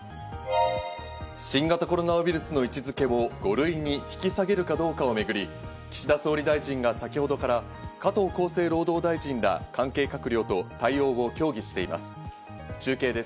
新型コロナウイルスの位置付けを５類に引き下げるかどうかをめぐり、岸田総理大臣が先ほどから加藤厚生労働大臣ら関係閣僚と対応を協議しています。